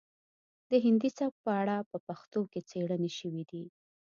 د هندي سبک په اړه په پښتو کې څیړنې شوي دي